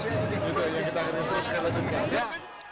kita akan terus melanjutkan